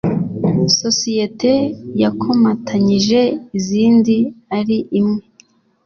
sosiyete yakomatanyije izindi ari imwe